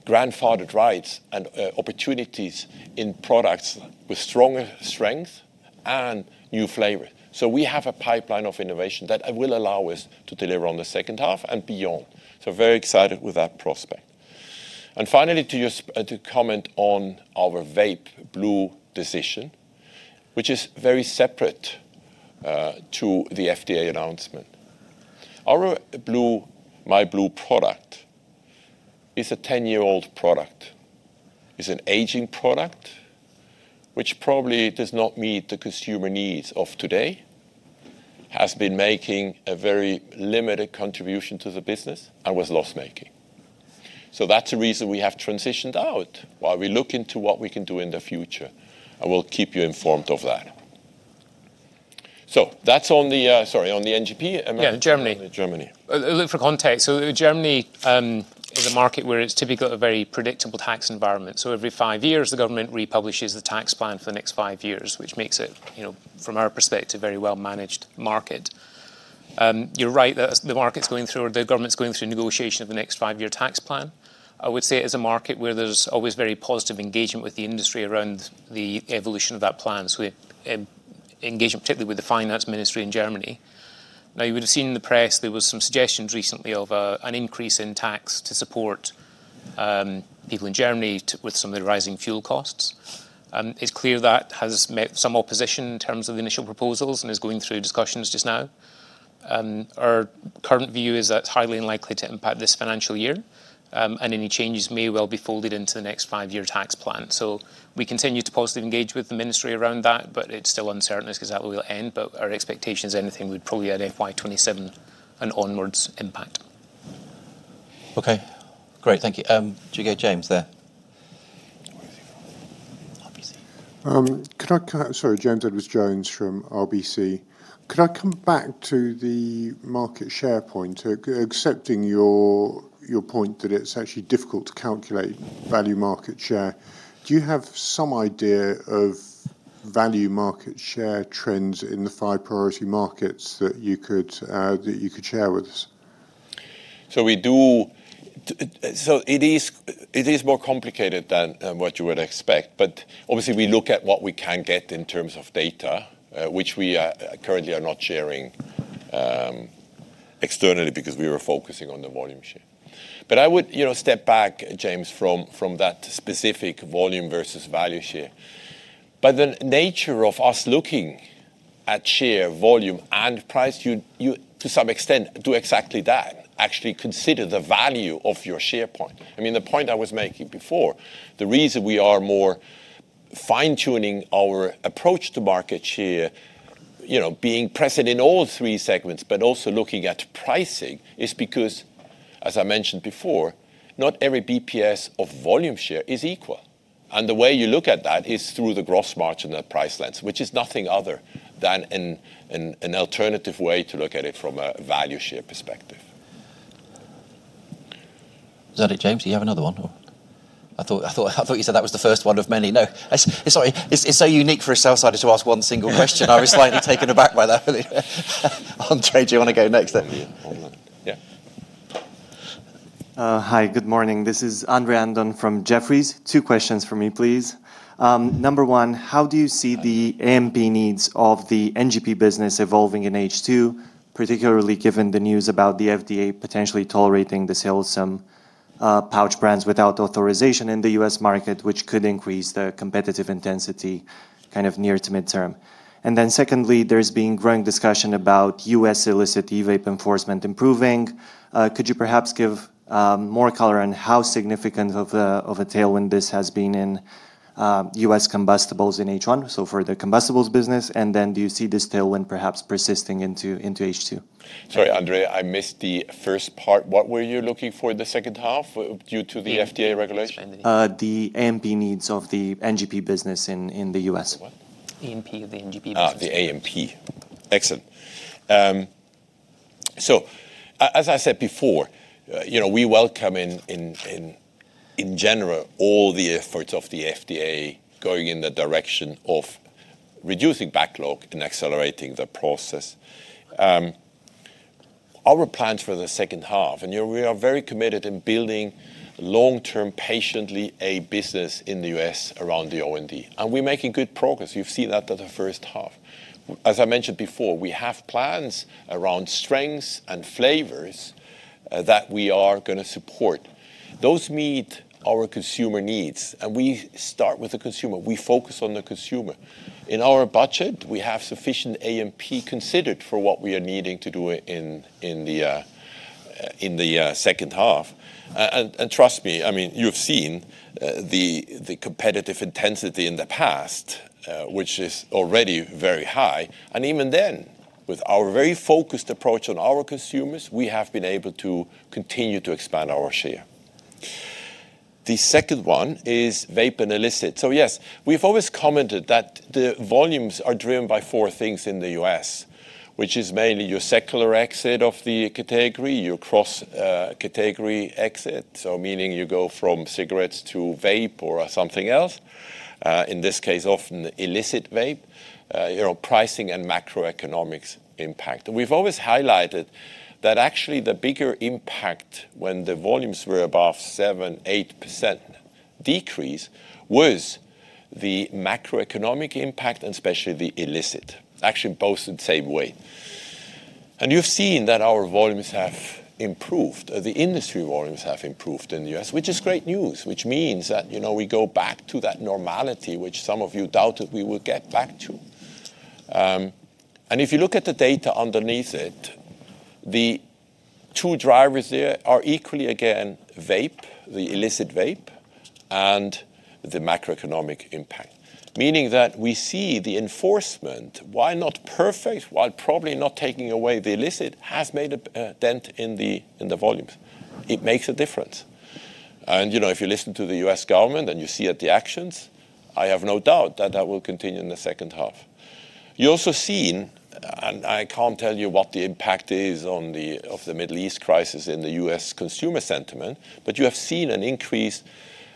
grandfathered rights and opportunities in products with strong strength and new flavor. We have a pipeline of innovation that will allow us to deliver on the second half and beyond. Very excited with that prospect. Finally, to comment on our myblu decision, which is very separate to the FDA announcement. Our myblu product is a 10-year-old product. It's an aging product which probably does not meet the consumer needs of today, has been making a very limited contribution to the business, and was loss-making. That's the reason we have transitioned out while we look into what we can do in the future, and we'll keep you informed of that. That's on the, sorry, on the NGP. Yeah, Germany. on the Germany. Look, for context, Germany is a market where it's typically got a very predictable tax environment. Every five years, the government republishes the tax plan for the next 5 years, which makes it, you know, from our perspective, a very well-managed market. You're right. The government's going through negotiation of the next five-year tax plan. I would say it is a market where there's always very positive engagement with the industry around the evolution of that plan, so we engage particularly with the Finance Ministry in Germany. Now, you would've seen in the press there was some suggestions recently of an increase in tax to support people in Germany with some of the rising fuel costs. It's clear that has met some opposition in terms of the initial proposals and is going through discussions just now. Our current view is that's highly unlikely to impact this financial year. Any changes may well be folded into the next five-year tax plan. We continue to positively engage with the ministry around that, but it's still uncertain as to how that will end. Our expectation is anything would probably have FY 2027 and onwards impact. Okay. Great. Thank you. Did you get James there? RBC. Sorry, James Edwardes Jones from RBC. Could I come back to the market share point? Accepting your point that it is actually difficult to calculate value market share, do you have some idea of value market share trends in the five priority markets that you could share with us? It is more complicated than what you would expect. Obviously, we look at what we can get in terms of data, which we are, currently are not sharing externally because we are focusing on the volume share. I would, you know, step back, James, from that specific volume versus value share. By the nature of us looking at share volume and price, you, to some extent, do exactly that, actually consider the value of your share point. I mean, the point I was making before, the reason we are more fine-tuning our approach to market share, you know, being present in all three segments, but also looking at pricing, is because, as I mentioned before, not every BPS of volume share is equal. The way you look at that is through the gross margin and price lens, which is nothing other than an alternative way to look at it from a value share perspective. Is that it, James? Do you have another one or? I thought you said that was the first one of many. No. Sorry, it's so unique for a sell-sider to ask one single question. I was slightly taken aback by that. Andre, do you wanna go next then? Yeah. Hold on. Yeah. Hi, good morning. This is Andrei Andon from Jefferies. Two questions from me, please. Number one, how do you see the AMP needs of the NGP business evolving in H2, particularly given the news about the FDA potentially tolerating the sales of some pouch brands without authorization in the U.S. market, which could increase the competitive intensity kind of near to midterm? Secondly, there's been growing discussion about U.S. illicit e-vape enforcement improving. Could you perhaps give more color on how significant of a tailwind this has been in U.S. combustibles in H1, so for the combustibles business? Do you see this tailwind perhaps persisting into H2? Sorry, Andrei, I missed the first part. What were you looking for in the second half due to the FDA regulation? The AMP needs of the NGP business in the U.S. The what? AMP of the NGP business. The AMP. Excellent. As I said before, you know, we welcome in general all the efforts of the FDA going in the direction of reducing backlog and accelerating the process. Our plans for the second half, you know, we are very committed in building long-term patiently a business in the U.S. around the OND, and we're making good progress. You've seen that at the first half. As I mentioned before, we have plans around strengths and flavors that we are gonna support. Those meet our consumer needs, we start with the consumer. We focus on the consumer. In our budget, we have sufficient AMP considered for what we are needing to do in the second half. Trust me, I mean, you've seen the competitive intensity in the past, which is already very high. Even then, with our very focused approach on our consumers, we have been able to continue to expand our share. The second one is vape and illicit. Yes, we've always commented that the volumes are driven by four things in the U.S., which is mainly your secular exit of the category, your cross-category exit, so meaning you go from cigarettes to vape or something else, in this case, often illicit vape, you know, pricing and macroeconomics impact. We've always highlighted that actually the bigger impact when the volumes were above 7%, 8% decrease was the macroeconomic impact and especially the illicit. Actually both the same way. You've seen that our volumes have improved. The industry volumes have improved in the U.S., which is great news, which means that, you know, we go back to that normality which some of you doubted we would get back to. If you look at the data underneath it, the two drivers there are equally again vape, the illicit vape, and the macroeconomic impact, meaning that we see the enforcement, while not perfect, while probably not taking away the illicit, has made a dent in the volumes. It makes a difference. You know, if you listen to the U.S. government and you see at the actions, I have no doubt that that will continue in the second half. You've also seen, I can't tell you what the impact is of the Middle East crisis in the U.S. consumer sentiment, you have seen an increased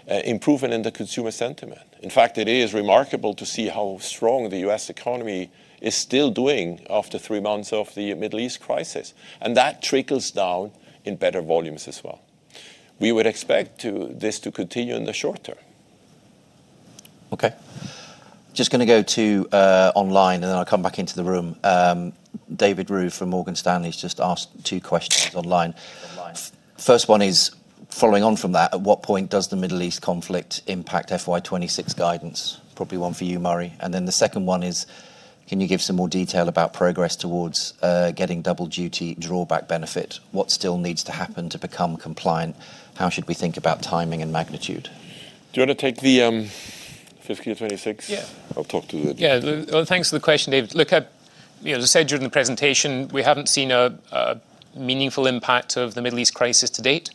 improvement in the consumer sentiment. In fact, it is remarkable to see how strong the U.S. economy is still doing after three months of the Middle East crisis, that trickles down in better volumes as well. We would expect this to continue in the short term. Okay. Just gonna go to online, and then I'll come back into the room. David [Lee] from Morgan Stanley's just asked two questions online. Following on from that, at what point does the Middle East conflict impact FY 2026 guidance? Probably one for you, Murray. The second one is, can you give some more detail about progress towards getting double duty drawback benefit? What still needs to happen to become compliant? How should we think about timing and magnitude? Do you wanna take the fiscal 2026? Yeah. I'll talk to the- Yeah. Thanks for the question, Dave. Look, you know, as I said during the presentation, we haven't seen a meaningful impact of the Middle East crisis to date.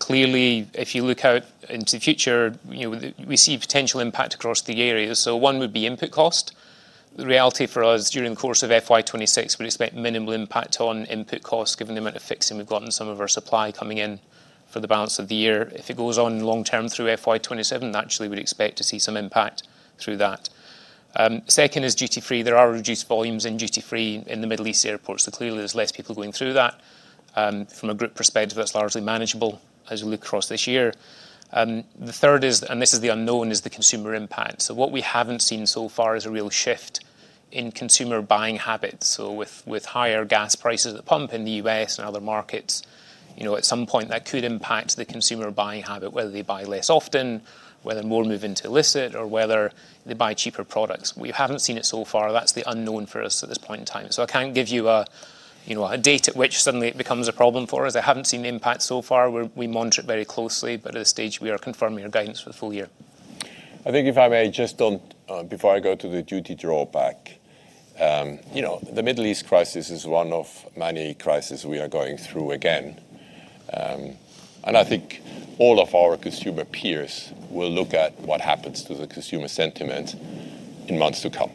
Clearly, if you look out into the future, you know, we see potential impact across the area. One would be input cost. The reality for us during the course of FY 2026, we'd expect minimal impact on input costs given the amount of fixing we've got in some of our supply coming in for the balance of the year. If it goes on long-term through FY 2027, naturally we'd expect to see some impact through that. Second is duty-free. There are reduced volumes in duty-free in the Middle East airports, so clearly there's less people going through that. From a group perspective, that's largely manageable as we look across this year. The third is, and this is the unknown, is the consumer impact. What we haven't seen so far is a real shift in consumer buying habits. With higher gas prices at pump in the U.S. and other markets, you know, at some point that could impact the consumer buying habit, whether they buy less often, whether more move into illicit, or whether they buy cheaper products. We haven't seen it so far. That's the unknown for us at this point in time. I can't give you a, you know, a date at which suddenly it becomes a problem for us. I haven't seen the impact so far. We monitor it very closely, but at this stage we are confirming our guidance for the full year. I think if I may just on, before I go to the duty drawback. You know, the Middle East crisis is one of many crisis we are going through again. I think all of our consumer peers will look at what happens to the consumer sentiment in months to come.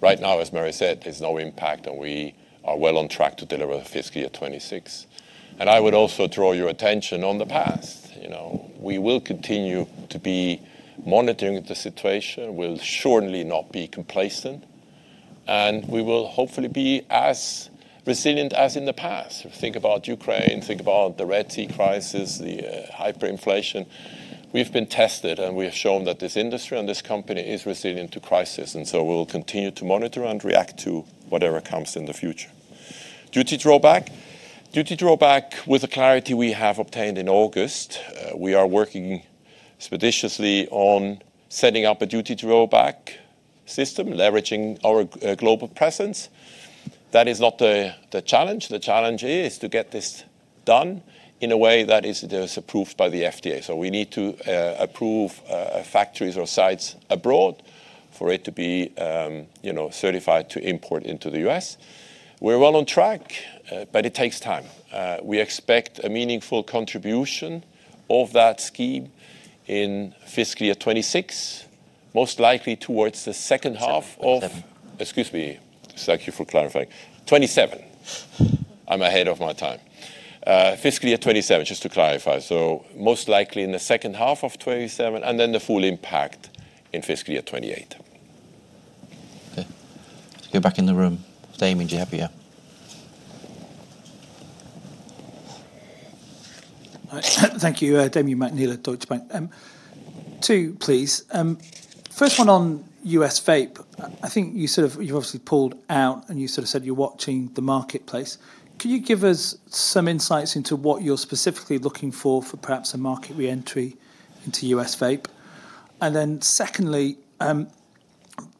Right now, as Murray said, there's no impact and we are well on track to deliver fiscal year 2026. I would also draw your attention on the past, you know. We will continue to be monitoring the situation. We'll certainly not be complacent, and we will hopefully be as resilient as in the past. Think about Ukraine, think about the Red Sea crisis, the hyperinflation. We've been tested, and we have shown that this industry and this company is resilient to crisis, and so we'll continue to monitor and react to whatever comes in the future. Duty drawback. Duty drawback, with the clarity we have obtained in August, we are working expeditiously on setting up a duty drawback system, leveraging our global presence. That is not the challenge. The challenge is to get this done in a way that is approved by the FDA. We need to approve factories or sites abroad for it to be, you know, certified to import into the U.S. We're well on track, but it takes time. We expect a meaningful contribution of that scheme in fiscal year 2026. 2027. Excuse me. Thank you for clarifying. 2027. I am ahead of my time. Fiscal year 2027, just to clarify. Most likely in the second half of 2027, and then the full impact in fiscal year 2028. Okay. Let's go back in the room. Damian, do you have your- Thank you. Damian Mcneela at Deutsche Bank. Two please. First one on U.S. vape. I think you obviously pulled out and you sort of said you're watching the marketplace. Can you give us some insights into what you're specifically looking for for perhaps a market re-entry into U.S. vape? Secondly,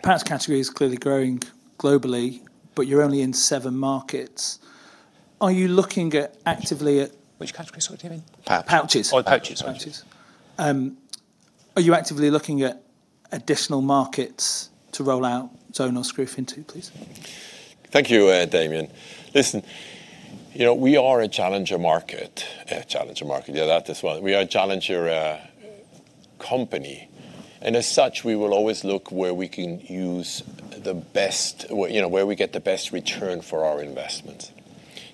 perhaps category is clearly growing globally, but you're only in seven markets. Are you looking at actively at- Which category, sorry, Damian? Pouch. Pouches. Oh, pouches. Pouches. Are you actively looking at additional markets to roll out Zone and Skruf into, please? Thank you, Damian. Listen, you know, we are a challenger market. A challenger market. Yeah, that is one. We are a challenger company, and as such, we will always look where we can use the best, where, you know, where we get the best return for our investments.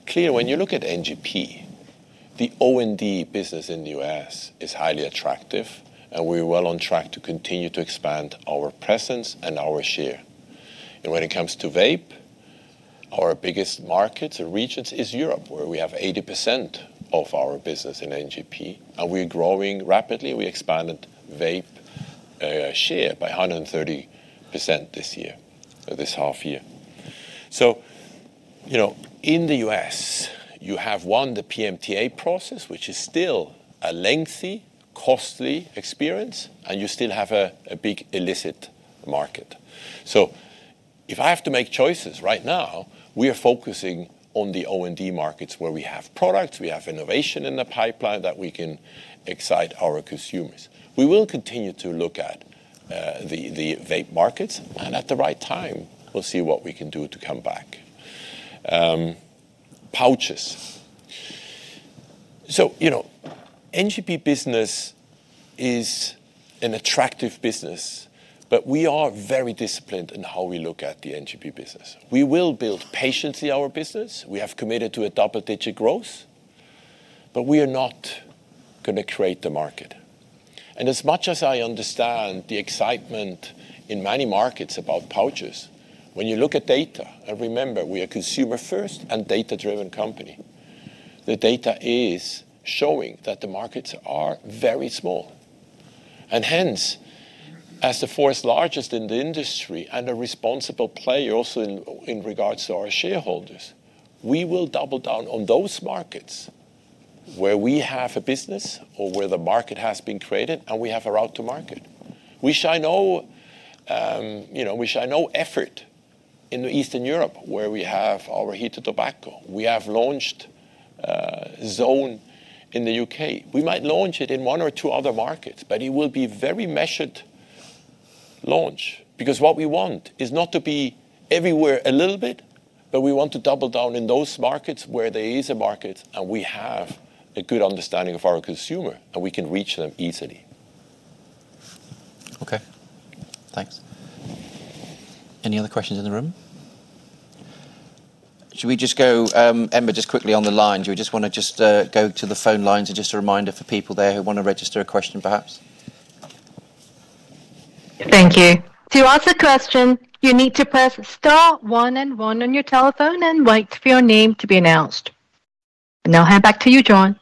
Clearly, when you look at NGP, the OND business in the U.S. is highly attractive, and we're well on track to continue to expand our presence and our share. When it comes to vape, our biggest markets or regions is Europe, where we have 80% of our business in NGP, and we're growing rapidly. We expanded vape share by 130% this year, this half year. You know, in the U.S., you have, one, the PMTA process, which is still a lengthy, costly experience, and you still have a big illicit market. If I have to make choices right now, we are focusing on the OND markets where we have products, we have innovation in the pipeline that we can excite our consumers. We will continue to look at the vape markets, and at the right time, we'll see what we can do to come back. Pouches. You know, NGP business is an attractive business, but we are very disciplined in how we look at the NGP business. We will build patience in our business. We have committed to a double-digit growth, but we are not gonna create the market. As much as I understand the excitement in many markets about pouches, when you look at data, and remember, we are consumer first and data-driven company, the data is showing that the markets are very small. Hence, as the fourth largest in the industry and a responsible player also in regards to our shareholders, we will double down on those markets where we have a business or where the market has been created, and we have a route to market. We shy no effort in Eastern Europe where we have our heated tobacco. We have launched Zone in the U.K. We might launch it in one or two other markets, but it will be very measured launch. What we want is not to be everywhere a little bit, but we want to double down in those markets where there is a market, and we have a good understanding of our consumer, and we can reach them easily. Okay, thanks. Any other questions in the room? Should we just go, Emma, just quickly on the lines? Do you wanna go to the phone lines and just a reminder for people there who wanna register a question perhaps? Thank you. To ask a question, you need to press star one and one on your telephone and wait for your name to be announced. I'll hand back to you, John.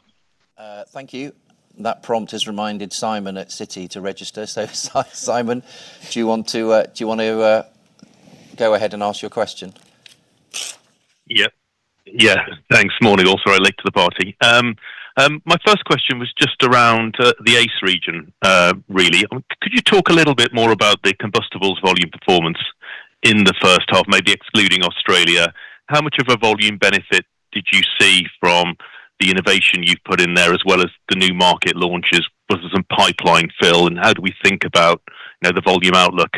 Thank you. That prompt has reminded Simon at Citi to register. Simon, do you want to go ahead and ask your question? Yeah. Yeah. Thanks. Morning. Also late to the party. My 1st question was just around the ACE region, really. Could you talk a little bit more about the combustibles volume performance in the first half, maybe excluding Australia? How much of a volume benefit did you see from the innovation you've put in there as well as the new market launches? Was there some pipeline fill, how do we think about, you know, the volume outlook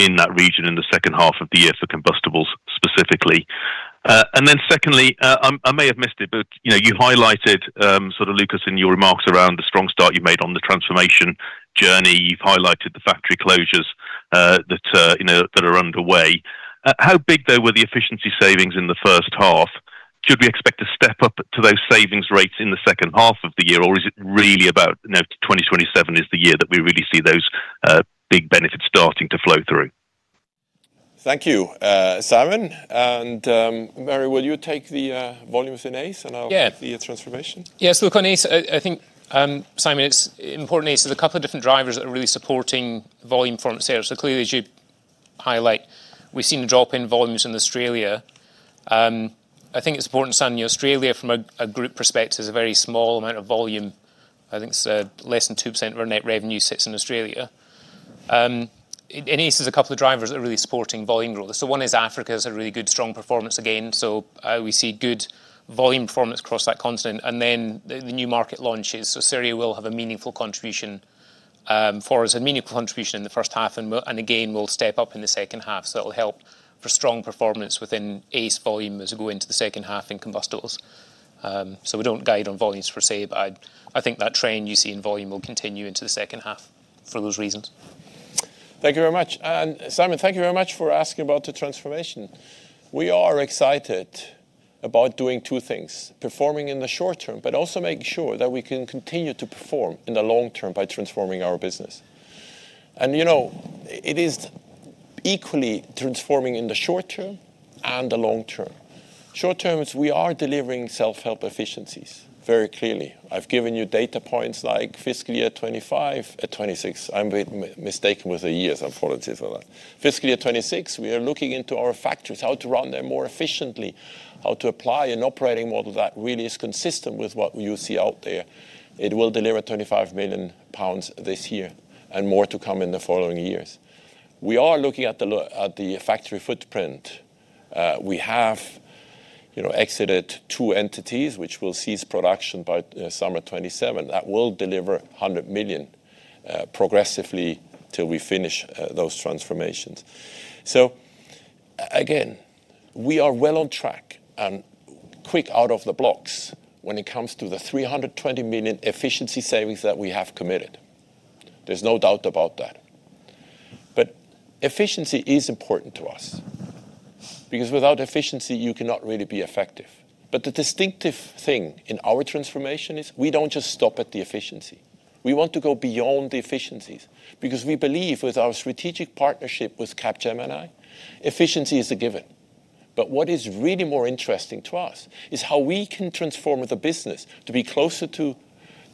in that region in the second half of the year for combustibles specifically? Secondly, I may have missed it, but, you know, you highlighted sort of Lukas Paravicini in your remarks around the strong start you made on the transformation journey. You've highlighted the factory closures that, you know, that are underway. How big though were the efficiency savings in the first half? Should we expect to step up to those savings rates in the second half of the year, or is it really about, you know, 2027 is the year that we really see those big benefits starting to flow through? Thank you, Simon. Murray, will you take the volumes in ACE? Yeah I'll take the transformation. Yes. Look, on ACE, I think, Simon, it's important. ACE has a couple of different drivers that are really supporting volume from sales. Clearly, as you highlight, we've seen a drop in volumes in Australia. I think it's important to understand, you know, Australia from a group perspective is a very small amount of volume. I think it's less than 2% of our net revenue sits in Australia. In ACE, there's a couple of drivers that are really supporting volume growth. One is Africa has a really good strong performance again, we see good volume performance across that continent. The new market launches, Syria will have a meaningful contribution for us, a meaningful contribution in the first half, and again, will step up in the second half. It'll help for strong performance within ACE volume as we go into the second half in combustibles. We don't guide on volumes per se, but I think that trend you see in volume will continue into the second half for those reasons. Thank you very much. Simon, thank you very much for asking about the transformation. We are excited about doing two things: performing in the short term, but also making sure that we can continue to perform in the long term by transforming our business. You know, it is equally transforming in the short term and the long term. Short term is we are delivering self-help efficiencies very clearly. I've given you data points like fiscal year 2025, 2026. I'm mistaken with the years. Apologies for that. Fiscal year 2026, we are looking into our factories, how to run them more efficiently, how to apply an operating model that really is consistent with what you see out there. It will deliver 25 million pounds this year, and more to come in the following years. We are looking at the factory footprint. We have, you know, exited two entities, which will cease production by summer 2027. That will deliver 100 million progressively till we finish those transformations. Again, we are well on track and quick out of the blocks when it comes to the 320 million efficiency savings that we have committed. There's no doubt about that. Efficiency is important to us because without efficiency, you cannot really be effective. The distinctive thing in our transformation is we don't just stop at the efficiency. We want to go beyond the efficiencies because we believe with our strategic partnership with Capgemini, efficiency is a given. What is really more interesting to us is how we can transform the business to be closer to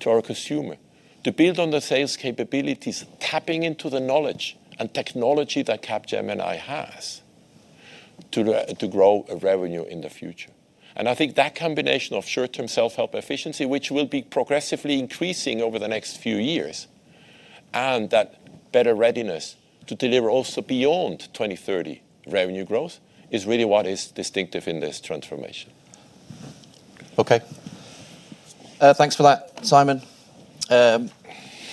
our consumer, to build on the sales capabilities, tapping into the knowledge and technology that Capgemini has to grow a revenue in the future. I think that combination of short-term self-help efficiency, which will be progressively increasing over the next few years, and that better readiness to deliver also beyond 2030 revenue growth, is really what is distinctive in this transformation. Okay. Thanks for that, Simon.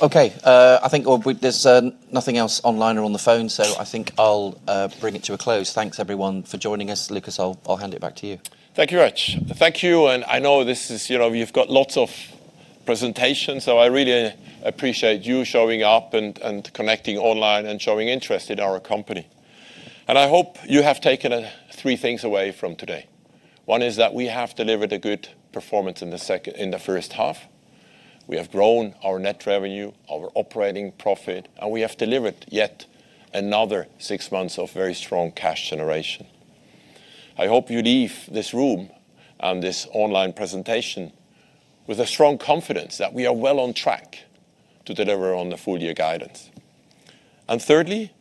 Okay. I think there's nothing else online or on the phone, so I think I'll bring it to a close. Thanks everyone for joining us. Lukas, I'll hand it back to you. Thank you very much. Thank you. I know this is, you know, you've got lots of presentations, so I really appreciate you showing up and connecting online and showing interest in our company. I hope you have taken three things away from today. One is that we have delivered a good performance in the first half. We have grown our net revenue, our operating profit, and we have delivered yet another six months of very strong cash generation. I hope you leave this room and this online presentation with a strong confidence that we are well on track to deliver on the full year guidance. Thirdly,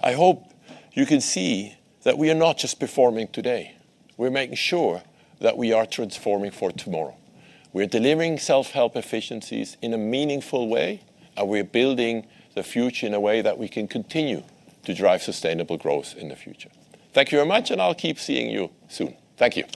I hope you can see that we are not just performing today. We're making sure that we are transforming for tomorrow. We're delivering self-help efficiencies in a meaningful way, and we're building the future in a way that we can continue to drive sustainable growth in the future. Thank you very much, and I'll keep seeing you soon. Thank you.